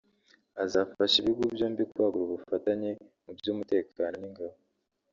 azafasha ibihugu byombi kwagura ubufatanye mu by’umutekano n’ingabo